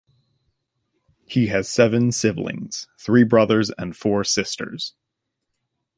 He has seven siblings - three brothers and four sisters.